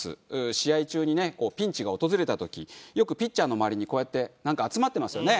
試合中にねピンチが訪れた時よくピッチャーの周りにこうやってなんか集まってますよね？